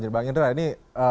bang indra ini